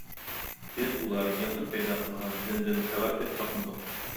بىز ئۇلار يېڭىدىن پەيدا قىلغان دىندىن خەۋەر تېپىپ باقمىدۇق.